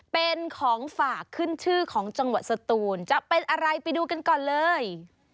เป็นของฝากขึ้นชื่อของจังหวัดสตูนจะเป็นอะไรไปดูกันก่อนเลย